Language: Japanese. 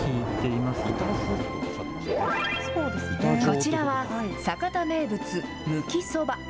こちらは、酒田名物むきそば。